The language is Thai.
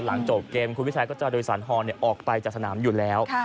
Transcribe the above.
หลังจบเกมคุณวิชัยก็จะโดยสารฮอลออกไปจากสนามอยู่แล้ว